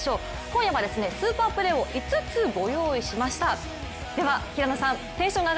今夜はスーパープレーを５つご用意しました。